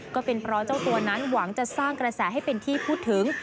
ก็เป็นเพราะเจ้าตัวนั้นหวังจะสร้างกระแสให้เป็นที่พูดถึง